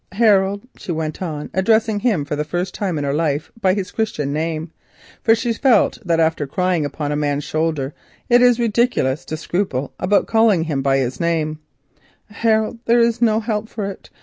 Harold," she went on, addressing him for the first time in her life by his Christian name, for she felt that after crying upon a man's shoulder it is ridiculous to scruple about calling him by his name; "Harold, there is no help for it.